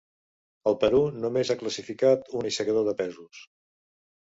El Perú només a classificat un aixecador de pesos.